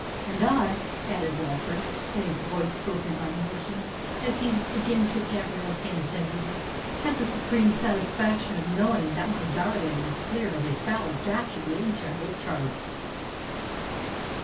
"And I," added Walter, in a voice broken by emotion, as he again took Gabrielle's hand tenderly, "have the supreme satisfaction of knowing that my darling is cleared of a foul, dastardly, and terrible charge."